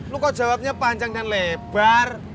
lo kok jawabnya panjang dan lebar